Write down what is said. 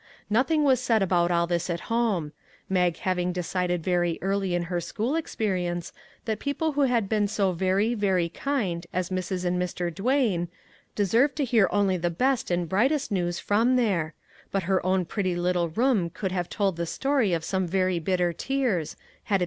Nothing was said about all this at home; Mag having decided very early in her school experience that people who had been so very, very kind as Mrs. and Mr. Duane, de served to hear only the best and brightest news from there, but her own pretty little room could have told the story of some very bitter tears, had it.